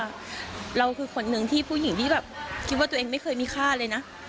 คือว่าเราคือคนหนึ่งที่ผู้หญิงที่คิดว่าไม่เคยมีค่าเลยนะ